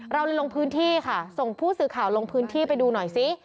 เราเลยลงพื้นที่ค่ะส่งผู้สื่อข่าวลงพื้นที่ไปดูหน่อยซิ